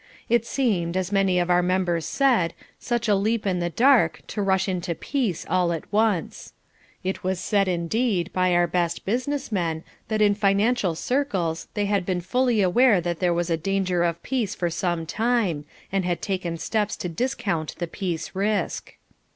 It seemed, as many of our members said, such a leap in the dark to rush into peace all at once. It was said indeed by our best business men that in financial circles they had been fully aware that there was a danger of peace for some time and had taken steps to discount the peace risk.